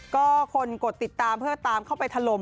ก็คนกดติดตามเพื่อตามเข้าไปถล่ม